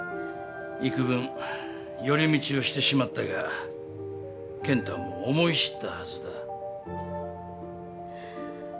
幾分寄り道をしてしまったが健太も思い知ったはずだ。